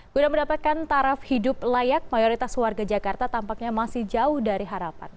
guna mendapatkan taraf hidup layak mayoritas warga jakarta tampaknya masih jauh dari harapan